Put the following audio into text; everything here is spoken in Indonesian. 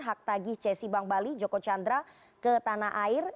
hak tagih cesi bangbali joko chandra ke tanah air